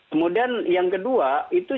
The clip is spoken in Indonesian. kemudian yang kedua itu